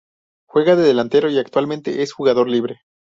Juega de delantero y actualmente es un jugador libre.